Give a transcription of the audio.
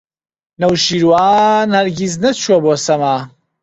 نەوشیروان هەرگیز نەچووە بۆ سەما.